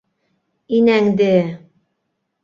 Инәңде...